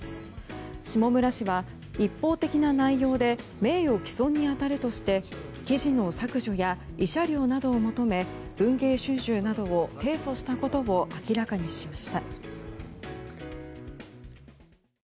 下村氏は一方的な内容で名誉棄損に当たるとして記事の削除や慰謝料などを求め文藝春秋などを提訴したことを明らかにしました。